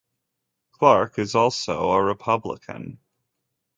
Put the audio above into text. Clark is also a republican.